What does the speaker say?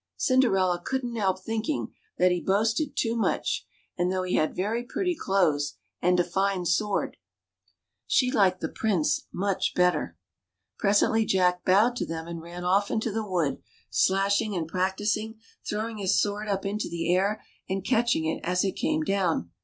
Cinderella couldn't help thinking that he boasted too much; and though he had very pretty clothes and a fine sword, she liked the Prince much better. Presently Jack bowed to them and ran off into the wood, slashing and prancing, throwing his sword up into the air and catching it as it came down.